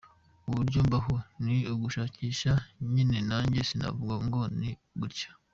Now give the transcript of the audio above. Uburyo mbaho ni ugushakisha nyine nanjye sinavuga ngo ni gutya.